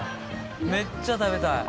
めっちゃ食べたい」